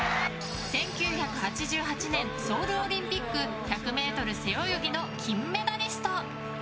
１９８８年ソウルオリンピック１００ｍ背泳ぎの金メダリスト。